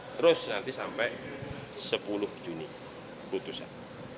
terus nanti sampai sepuluh juni putusan